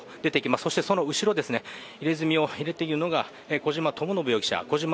そしてその後ろ、入れ墨を入れているのが小島智信容疑者。